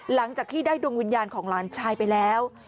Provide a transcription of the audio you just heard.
หลังจากที่ได้ดวงวิญญาณของหลานชายไปแล้ว